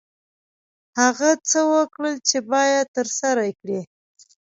هغه څه وکړه چې باید ترسره یې کړې.